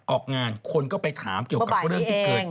ออกงานคนก็ไปถามเกี่ยวกับเรื่องที่เกิดขึ้น